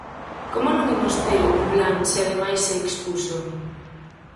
¿Como non imos ter un plan se ademais se expuxo?